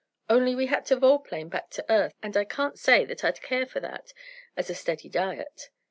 Only we had to vol plane back to earth, and I can't say that I'd care for that, as a steady diet.